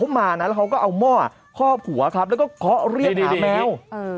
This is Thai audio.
มานะแล้วเขาก็เอาหม้อคอบหัวครับแล้วก็เคาะเรียกหมาแมว